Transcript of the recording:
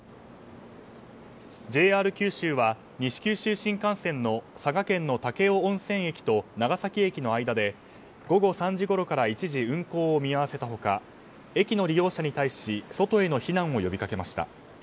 ＪＲ九州は西九州新幹線の佐賀県の武雄温泉駅と長崎駅の間で午後３時ごろから一時運行を見合わせた他駅の利用者に対し外への避難を呼びかけました。